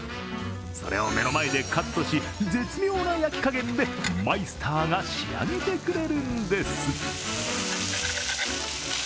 それを目の前でカットし絶妙な焼き加減でマイスターが仕上げてくれるんです。